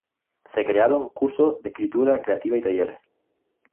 Se crearon cursos de escritura creativa y talleres.